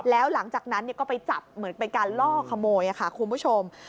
แล้วหลังจากนั้นก็ไปจับเหมือนเป็นการล่อขโมยค่ะคุณผู้ชม